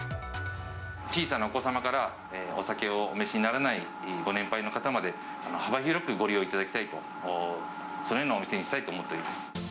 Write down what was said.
小さなお子様から、お酒をお召しにならないご年配の方まで、幅広くご利用いただきたいと、そのようなお店にしたいと思っております。